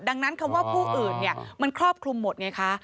ดังนั้นคำว่าผู้อื่นมันครอบคลุมหมดไงคะ